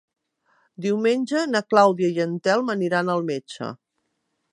Diumenge na Clàudia i en Telm aniran al metge.